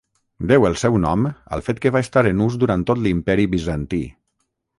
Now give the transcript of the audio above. Deu el seu nom al fet que va estar en ús durant tot l'Imperi bizantí.